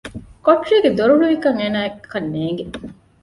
ކޮޓަރީގެ ދޮރުހުޅުވިކަން އޭނާއަކަށް ނޭގެ